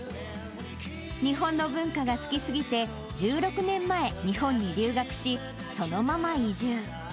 日本の文化が好きすぎて、１６年前、日本に留学し、そのまま移住。